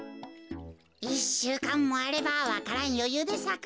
１しゅうかんもあればわか蘭よゆうでさくってか。